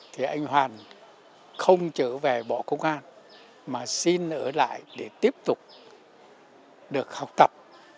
thì anh hoàn không trở về bỏ công an mà xin ở lại để tiếp tục được học tập